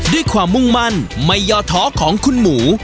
ด้วยความมุ่งมั่นไม่ย่อท้อของคุณหมู